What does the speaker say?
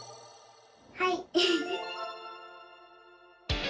はい！